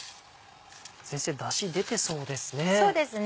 先生ダシ出てそうですね。